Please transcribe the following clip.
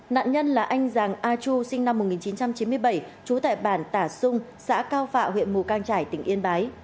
nạn nhân là anh giàng a chu sinh năm một nghìn chín trăm chín mươi bảy trú tại bản tả xung xã cao phạ huyện mù cang trải tỉnh yên bái